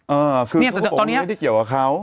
เออคือเขาบอกว่าไม่ได้เกี่ยวกับเขา